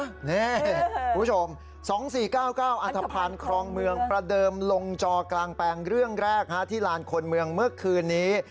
คุณผู้ชม๒๔๙๙อัธภัณฑ์ครองเมืองประเดิมลงจอกลางแปลงเรื่องแรกที่ลานคนเมืองเมื่อคืนนี้